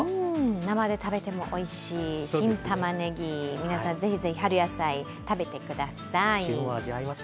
生で食べてもおいしい新タマネギ、皆さん、ぜひぜひ春野菜食べてください。